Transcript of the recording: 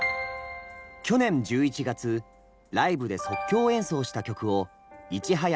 去年１１月ライブで即興演奏した曲をいち早くＮＦＴ化。